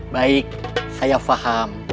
baik saya faham